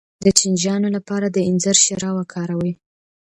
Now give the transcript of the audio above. د چینجیانو لپاره د انځر شیره وکاروئ